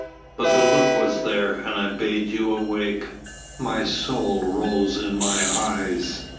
But the look was there, and I bade you awake. My soul rose in my eyes.